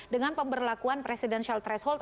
dengan pemberlakuan presidential threshold